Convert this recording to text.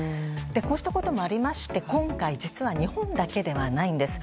こうしたこともありまして今回実は日本だけではないんです。